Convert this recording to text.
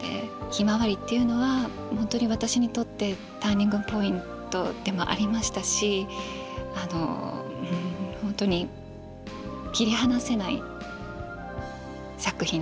「ひまわり」っていうのは本当に私にとってターニングポイントでもありましたし本当に切り離せない作品です。